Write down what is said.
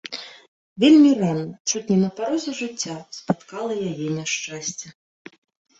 Вельмі рана, чуць не на парозе жыцця, спаткала яе няшчасце.